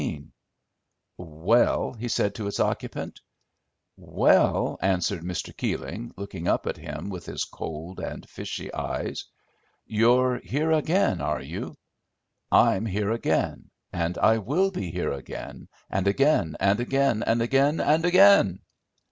"Well?" he said to its occupant. "Well," answered Mr. Keeling, looking up at him with his cold and fishy eyes. "You're here again, are you?" "I'm here again, and I will be here again. And again and again, and again and again."